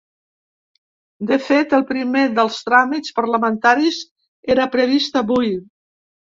De fet, el primer dels tràmits parlamentaris era previst avui.